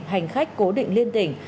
hành khách cố định liên tỉnh